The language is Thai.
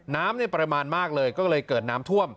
น้ำประมาณมากเลยก็เลยเกิดน้ำท่วม